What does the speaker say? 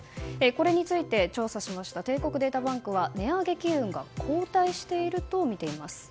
これについて調査しました帝国データバンクは値上げ機運が後退しているとみています。